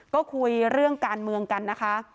ก็คุยเรื่องการเมืองกันนะคะ